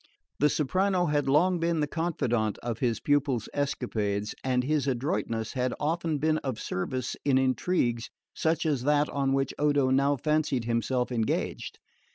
The soprano had long been the confidant of his pupil's escapades, and his adroitness had often been of service in intrigues such as that on which Odo now fancied himself engaged.